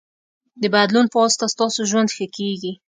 د بدلون پواسطه ستاسو ژوند ښه کېږي.